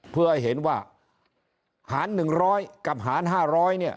เพื่อให้เห็นว่าหารหนึ่งร้อยกับหารห้าร้อยเนี่ย